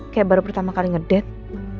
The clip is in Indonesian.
kayak baru pertama kali nge det